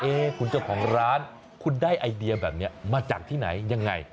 คุณเจ้าของร้านคุณได้ไอเดียแบบนี้มาจากที่ไหนยังไง